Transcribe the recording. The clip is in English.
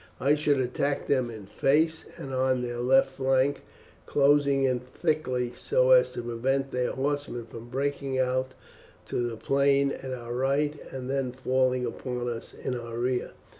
I should attack them in face and on their left flank, closing in thickly so as to prevent their horsemen from breaking out on to the plain at our right and then falling upon us in our rear.